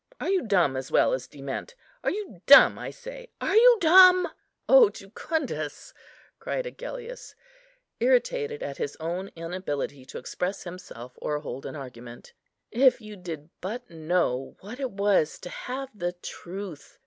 Are you dumb as well as dement? Are you dumb, I say, are you dumb?" "O Jucundus," cried Agellius, irritated at his own inability to express himself or hold an argument, "if you did but know what it was to have the Truth!